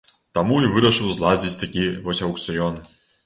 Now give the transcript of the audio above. Таму і вырашыў зладзіць такі вось аўкцыён.